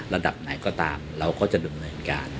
ระดับไหนก็ตามเราก็ดับหน่อยงาน